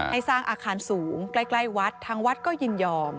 ให้สร้างอาคารสูงใกล้วัดทางวัดก็ยินยอม